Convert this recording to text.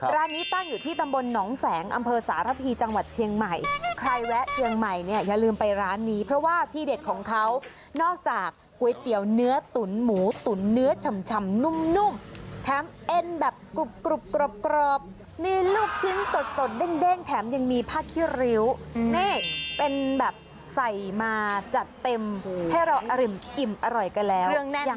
บัลโหลวันโทษเต้งแถมยังมีผ้าเคียวลิ้วนี้เป็นแบบใส่มาจัดเต็มให้เรากิบอร่อยกันแล้ว